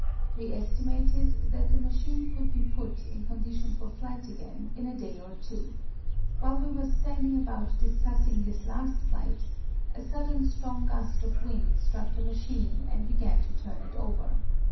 We estimated that the machine could be put in condition for flight again in a day or two. While we were standing about discussing this last flight, a sudden strong gust of wind struck the machine and began to turn it over.